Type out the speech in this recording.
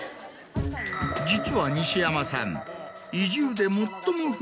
実は西山さん。